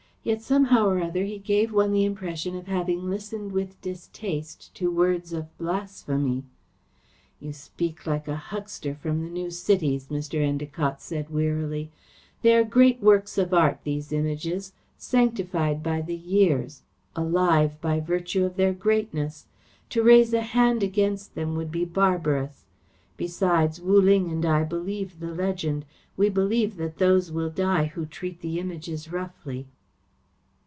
Yet somehow or other he gave one the impression of having listened with distaste to words of blasphemy. "You speak like a huckster from the new cities," Mr. Endacott said wearily. "They are great works of art, these Images, sanctified by the years, alive by virtue of their greatness. To raise a hand against them would be barbarous. Besides, Wu Ling and I believe the legend. We believe that those will die who treat the Images roughly."